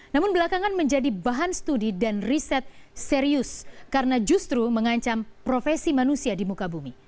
namun belakangan menjadi bahan studi dan riset serius karena justru mengancam profesi manusia di muka bumi